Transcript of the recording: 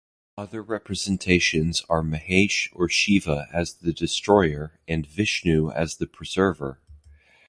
Other representations are Mahesha or Shiva as the "Destroyer" and Vishnu as the "Preserver".